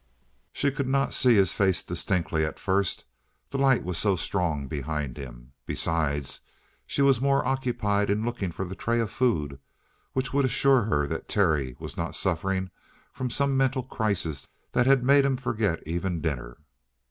She could not see his face distinctly at first, the light was so strong behind him. Besides, she was more occupied in looking for the tray of food which would assure her that Terry was not suffering from some mental crisis that had made him forget even dinner.